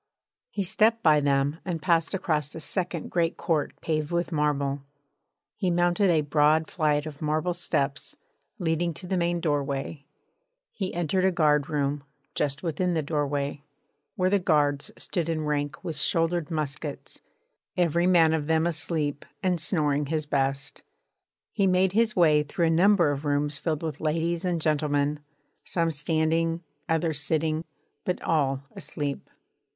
He stepped by them and passed across a second great court paved with marble; he mounted a broad flight of marble steps leading to the main doorway; he entered a guardroom, just within the doorway, where the guards stood in rank with shouldered muskets, every man of them asleep and snoring his best. He made his way through a number of rooms filled with ladies and gentlemen, some standing, others sitting, but all asleep.